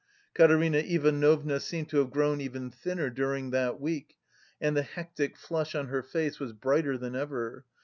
Katerina Ivanovna seemed to have grown even thinner during that week and the hectic flush on her face was brighter than ever.